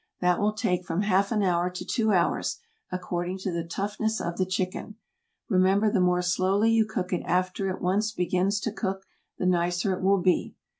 That will take from half an hour to two hours, according to the toughness of the chicken. Remember the more slowly you cook it after it once begins to cook, the nicer it will be.